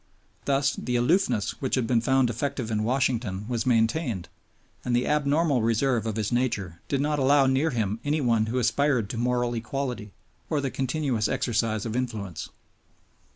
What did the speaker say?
Thus the aloofness which had been found effective in Washington was maintained, and the abnormal reserve of his nature did not allow near him any one who aspired to moral equality or the continuous exercise of influence.